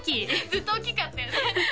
ずっとおっきかったよね